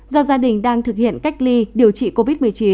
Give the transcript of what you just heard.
do gia đình đang thực hiện cách ly điều trị covid một mươi chín